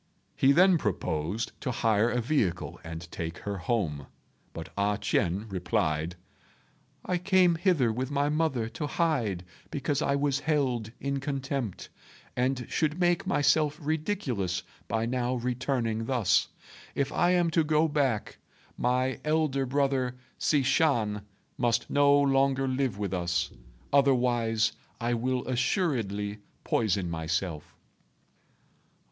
He then proposed to hire a vehicle and take her home; but A ch'ien replied, "I came hither with my mother to hide because I was held in contempt, and should make myself ridiculous by now returning thus. If I am to go back, my elder brother Hsi Shan must no longer live with us; otherwise, I will assuredly poison myself."